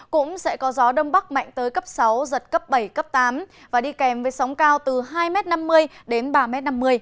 cũng sẽ có gió đông bắc mạnh tới cấp sáu giật cấp bảy cấp tám và đi kèm với sóng cao từ hai năm mươi m đến ba năm mươi m